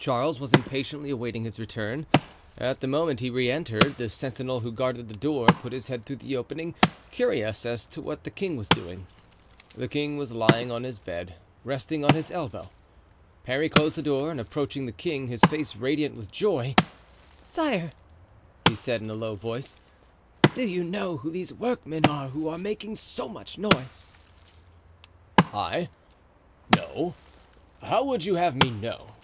Charles was impatiently awaiting his return. At the moment he re entered, the sentinel who guarded the door put his head through the opening, curious as to what the king was doing. The king was lying on his bed, resting on his elbow. Parry closed the door and approaching the king, his face radiant with joy: "Sire," he said, in a low voice, "do you know who these workmen are who are making so much noise?" "I? No; how would you have me know?"